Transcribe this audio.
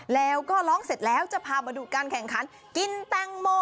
แล้วก็ร้องเสร็จแล้วจะพามาดูการแข่งขันกินแตงโม